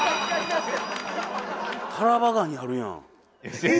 タラバガニあるやん。